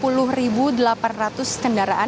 yang melewati gerbang tol cikampek utama ke arah palimanan